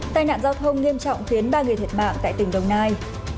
tai nạn giao thông nghiêm trọng khiến ba người thiệt mạng tại tỉnh đồng nai